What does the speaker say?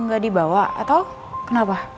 nggak dibawa atau kenapa